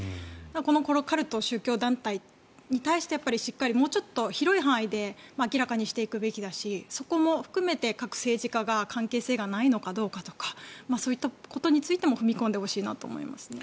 このカルト宗教団体に対してしっかりもうちょっと広い範囲で明らかにしていくべきだしそこも含めて各政治家が関係性がないのかどうかとかそういったことについても踏み込んでほしいなと思いますね。